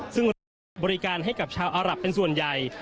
ซึ่งรับบริการให้กับชาวอารับเป็นส่วนใหญ่